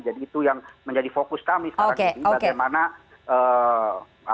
jadi itu yang menjadi fokus kami sekarang